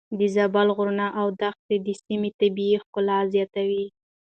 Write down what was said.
د زابل غرونه او دښتې د سيمې طبيعي ښکلا زياتوي.